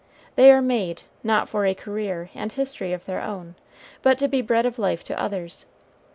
They are made, not for a career and history of their own, but to be bread of life to others.